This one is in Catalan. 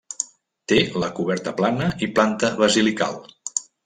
Té la coberta plana i planta basilical.